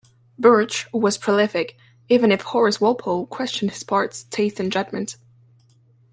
Birch was prolific, even if Horace Walpole questioned his parts, taste and judgment.